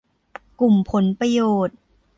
กลุ่มผลประโยชน์